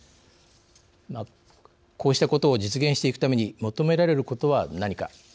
こうしたことを実現していくために求められることは何か。